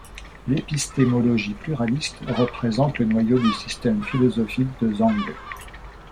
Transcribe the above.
L'épistémologie pluraliste représente le noyau du système philosophique de Zhang.